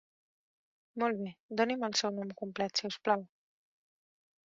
Molt bé, doni'm el seu nom complet si us plau.